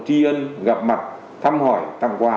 tri ân gặp mặt thăm hỏi tặng quà